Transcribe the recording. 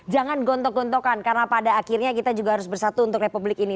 jangan gontok gontokan karena pada akhirnya kita juga harus bersatu untuk republik ini